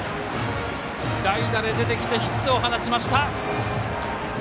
代打で出てきてヒットを放ちました。